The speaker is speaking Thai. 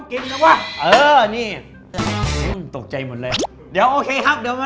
กินแล้วว่ะเออนี่ตกใจหมดเลยเดี๋ยวโอเคครับเดี๋ยวมา